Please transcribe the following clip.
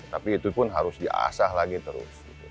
tapi itu pun harus diasah lagi terus